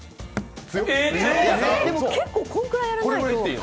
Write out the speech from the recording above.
結構、このくらいやらないと。